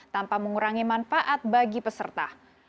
tanpa mengurangi manfaat bagi peserta